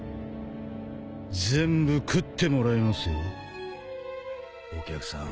全部食ってもらいますよお客さん。